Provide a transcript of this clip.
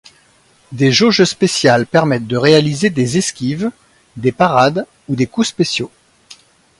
Des jauges spéciales permettent de réaliser des esquives, des parades ou des coups spéciaux.